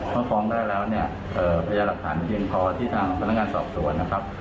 ถ้าฟ้องได้แล้วเนี่ยพยายามหลักฐานเพียงพอที่ทางพนักงานสอบสวนนะครับ